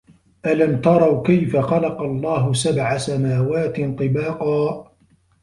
أَلَم تَرَوا كَيفَ خَلَقَ اللَّهُ سَبعَ سَماواتٍ طِباقًا